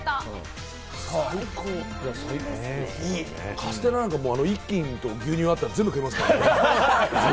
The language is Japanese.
カステラなんか、１斤と牛乳あったら全部食えますからね。